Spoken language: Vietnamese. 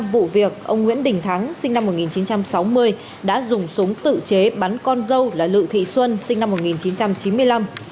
vụ việc ông nguyễn đình thắng sinh năm một nghìn chín trăm sáu mươi đã dùng súng tự chế bắn con dâu là lự thị xuân sinh năm một nghìn chín trăm chín mươi năm